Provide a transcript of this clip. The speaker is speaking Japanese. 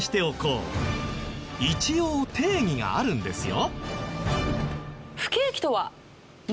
一応定義があるんですよ。